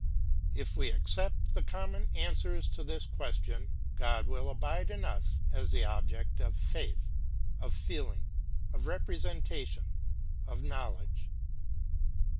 If we accept the common answers to this question, God will abide in us as the object of faith, of feeling, of representation, of knowledge.